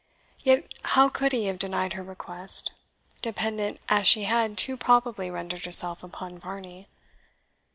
Yet how could he have denied her request dependent as she had too probably rendered herself upon Varney?